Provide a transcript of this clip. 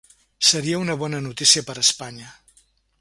Seria una bona notícia per a Espanya.